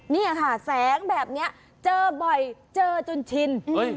นี่ค่ะแสงแบบนี้เจอบ่อยเจอจนชิน